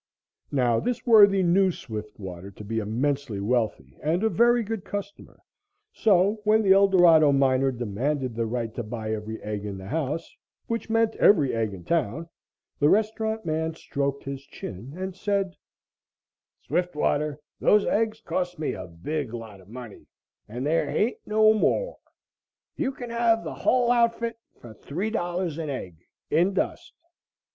Now, this worthy knew Swiftwater to be immensely wealthy and a very good customer, so when the Eldorado miner demanded the right to buy every egg in the house, which meant every egg in town, the restaurant man stroked his chin and said: "Swiftwater, those eggs cost me a big lot of money, and there hain't no more. You can have the hull outfit for three dollars an egg, in dust."